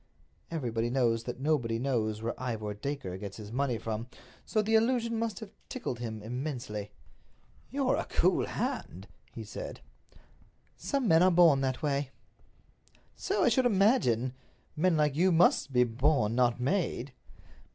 Everybody knows that nobody knows where Ivor Dacre gets his money from, so the allusion must have tickled him immensely. "You're a cool hand," he said. "Some men are born that way." "So I should imagine. Men like you must be born, not made."